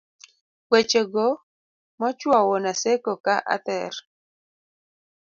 weche go mochuowo Naseko ka ather